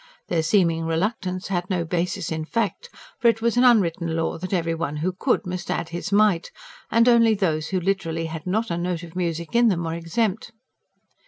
Their seeming reluctance had no basis in fact; for it was an unwritten law that every one who could must add his mite; and only those who literally had "not a note of music in them" were exempt.